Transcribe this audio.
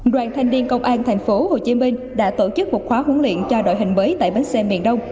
đoàn thanh niên công an thành phố hồ chí minh đã tổ chức một khóa huấn luyện cho đội hình mới tại bến xe miền đông